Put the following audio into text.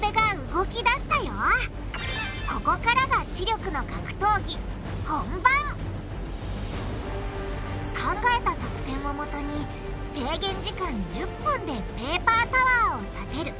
ここからが知力の格闘技本番！考えた作戦をもとに制限時間１０分でペーパータワーを立てる！